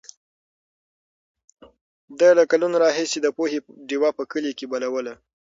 ده له کلونو راهیسې د پوهې ډېوه په کلي کې بلوله.